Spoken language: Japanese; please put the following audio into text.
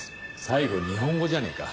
最後日本語じゃねえか。